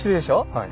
はい。